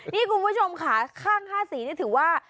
นี่คุณผู้ชมค่ะข้าง๕สีนี่ถือว่า